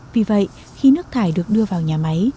vì vậy khi nước thải được đưa vào nhà máy